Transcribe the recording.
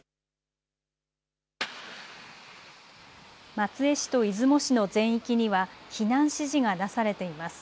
松江市と出雲市の全域には避難指示が出されています。